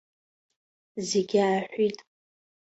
Зегь ааҳәит.